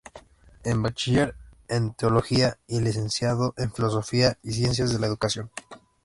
Es bachiller en Teología y licenciado en Filosofía y Ciencias de la Educación.